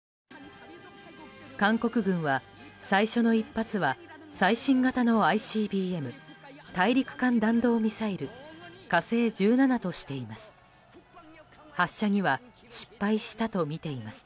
韓国軍は最初の１発は最新型のＩＣＢＭ・大陸間弾道ミサイル「火星１７」としています。